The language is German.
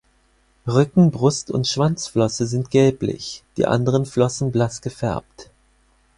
Rücken-, Brust- und Schwanzflosse sind gelblich, die anderen Flossen blass gefärbt.